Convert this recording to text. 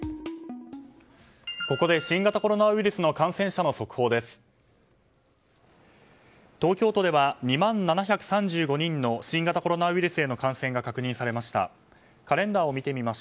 ここで新型コロナウイルスの感染者の速報です。